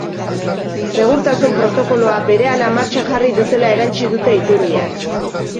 Segurtasun protokoloa berehala martxan jarri dutela erantsi dute iturriek.